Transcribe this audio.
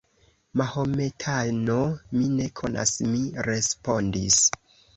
Mahometano, mi ne konas, mi respondis.